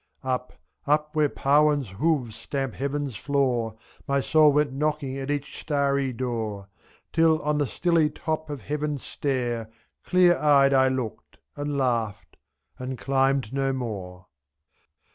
Up, up, where Parwin's hoofs stamp heaven's floor. My soul went knocking at each starry door, 7 5'Till on the stilly top of heaven's stair. Clear eyed I looked — and laughed — and climbed no more.